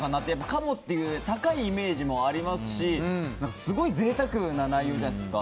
鴨っていう高いイメージもありますしすごい贅沢な内容じゃないですか。